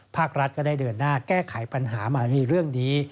ภาครัฐก็ได้เดินหน้าแก้ไขปัญหามาในเรื่องนี้